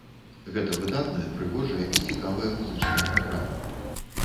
Гэта выдатная, прыгожая і цікавая музычная праграма.